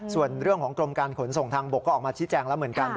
ส่วนเรื่องของกรมการขนส่งทางบกก็ออกมาชี้แจงแล้วเหมือนกัน